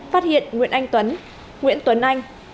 phát hiện nguyễn anh tuấn nguyễn tuấn anh